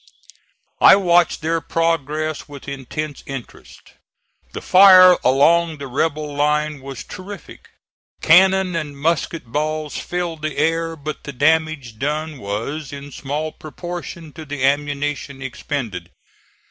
I watched their progress with intense interest. The fire along the rebel line was terrific. Cannon and musket balls filled the air: but the damage done was in small proportion to the ammunition expended.